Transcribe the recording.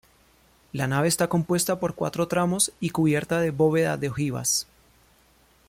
La nave está compuesta por cuatro tramos y cubierta de bóveda de ojivas.